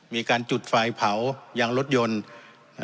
มีการจุดไฟเผายางรถยนต์